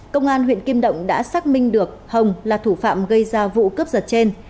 công an huyện kim động đã xác minh được hồng là thủ phạm gây ra vụ cướp giật trên